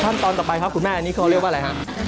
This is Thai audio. ขั้นตอนต่อไปครับคุณแม่อันนี้เขาเรียกว่าอะไรฮะ